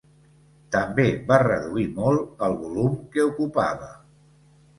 També va reduir molt el volum que ocupava.